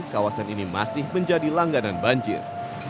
kawasan ini masih menjadi langganan banjir